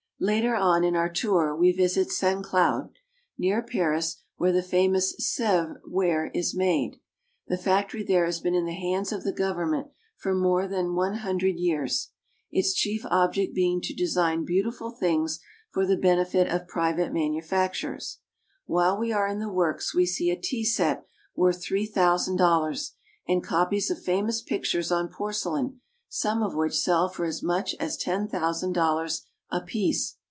Later on in our tour we visit St. Cloud (saN kloo'), near Paris, where the famous Sevres (savr) ware is made. The factory there has been in the hands of the government for more than one hundred years, its chief object being to design beautiful things for the benefit of private manufac turers. While we are in the works we see a tea set worth three thousand dollars, and copies of famous pictures on porcelain, some of which sell for as much as ten thousand dollars apiece.